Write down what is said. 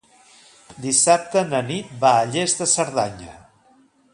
Dissabte na Nit va a Lles de Cerdanya.